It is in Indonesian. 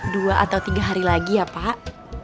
dua atau tiga hari lagi ya pak